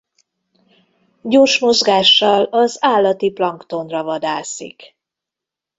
Gyors mozgással az állati planktonra vadászik.